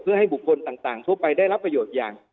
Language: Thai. เพื่อให้บุคคลต่างทั่วไปได้รับประโยชน์อย่าง